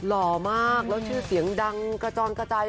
หล่อมากแล้วชื่อเสียงดังกระจอนกระจาย